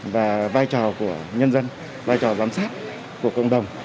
và vai trò của nhân dân vai trò giám sát của cộng đồng